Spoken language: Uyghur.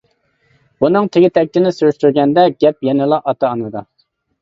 بۇنىڭ تېگى-تەكتىنى سۈرۈشتۈرگەندە گەپ يەنىلا ئاتا-ئانىدا.